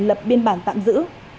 lập biên bản tạm giữ